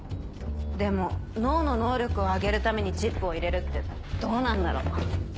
でも脳の能力を上げるためにチップを入れるってどうなんだろ。